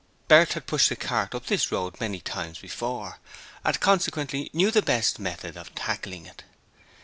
Bert had pushed a cart up this road many times before and consequently knew the best method of tackling it.